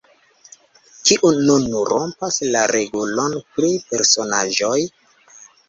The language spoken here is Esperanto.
"Kiu nun rompas la regulon pri personaĵoj?"